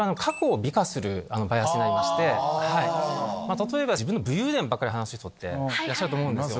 例えば自分の武勇伝ばっかり話す人っていらっしゃると思うんですよ。